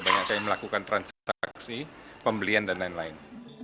banyak yang melakukan transaksi pembelian dan lain lain